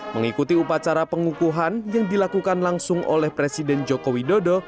mengikuti upacara pengukuhan yang dilakukan langsung oleh presiden joko widodo